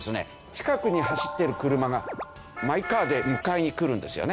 近くに走っている車がマイカーで迎えに来るんですよね。